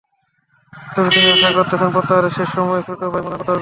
তবে তিনি আশা করছেন, প্রত্যাহারের শেষ সময়ে ছোট ভাই মনোনয়ন প্রত্যাহার করবেন।